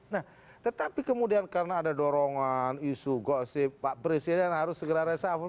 nah tetapi kemudian karena ada dorongan isu gosip pak presiden harus segera resafel